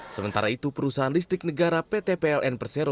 sementara itu perusahaan listrik negara pt pln persero